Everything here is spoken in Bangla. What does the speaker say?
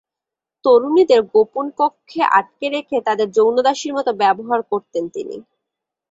তরুণীদের গোপন কক্ষে আটকে রেখে তাদের যৌনদাসীর মতো ব্যবহার করতেন তিনি।